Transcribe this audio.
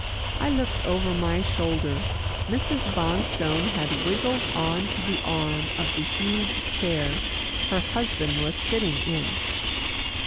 I looked over my shoulder. Mrs. Bonstone had wiggled on to the arm of the huge chair her husband was sitting in.